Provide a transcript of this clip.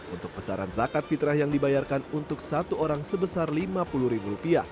untuk pesanan zakat fitrah yang dibayarkan untuk satu orang sebesar rp lima puluh